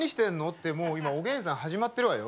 ってもう今「おげんさん」始まってるわよ。